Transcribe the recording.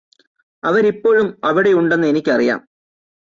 അവരിപ്പോഴും അവിടെയുണ്ടെന്ന് എനിക്കറിയാം